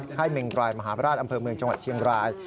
ไข้เมริกรายมหาวิทยาลัยอำเภอเมืองจังหวัดเชียงราย